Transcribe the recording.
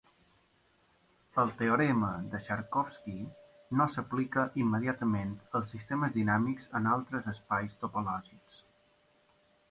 El teorema de Sharkovskii no s'aplica immediatament als sistemes dinàmics en altres espais topològics.